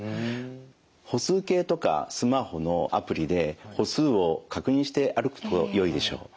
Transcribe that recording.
歩数計とかスマホのアプリで歩数を確認して歩くとよいでしょう。